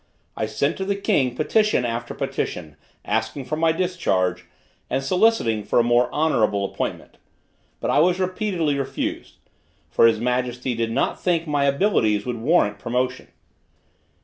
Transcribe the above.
I sent to the king petition after petition, asking for my discharge, and soliciting for a more honorable appointment. But I was repeatedly refused, for his majesty did not think my abilities would warrant promotion.